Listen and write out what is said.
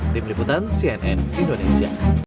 tim liputan cnn indonesia